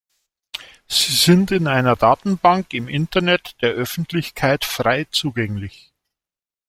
Sie sind in einer Datenbank im Internet der Öffentlichkeit frei zugänglich.